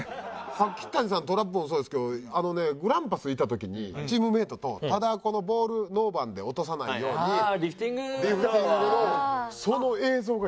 柿谷さんトラップもそうですけどあのねグランパスいた時にチームメートとただこのボールノーバンで落とさないようにリフティングのその映像がやばすぎるんですよ。